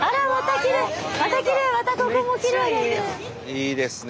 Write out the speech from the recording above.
いいですね